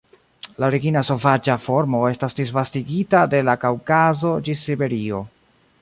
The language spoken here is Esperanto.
La origina sovaĝa formo estas disvastigita de la Kaŭkazo ĝis Siberio.